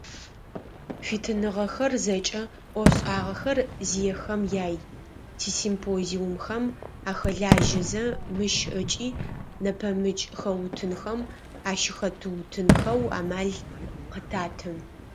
Фитыныгъэхэр зэкӏэ ӏофшӏагъэхэр зиехэм яй, тисимпозиумхэм ахэлажьэзэ, мыщ ыкӏи нэпэмыкӏ хэутынхэм ащыхэтыутынхэу амал къытаты.